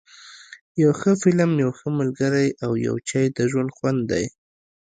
یو ښه فلم، یو ښه ملګری او یو چای ، د ژوند خوند دی.